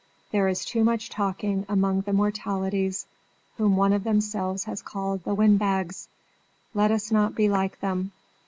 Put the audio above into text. There is too much talking among the Mortalities whom one of themselves has called the Windbags. Let not us be like them.